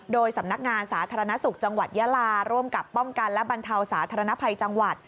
โดยสำนักงานสาธารณสุขจังหวัดยาลาร่วมกับป้องกันและบรรเทาสาธารณภัยจังหวัด